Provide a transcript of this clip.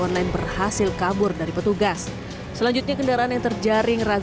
online berhasil kabur dari petugas selanjutnya kendaraan yang terjaring razia